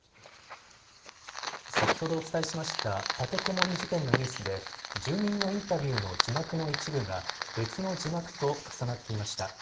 先ほどお伝えしました立てこもり事件のニュースで住民のインタビューの字幕の一部が別の字幕と重なっていました。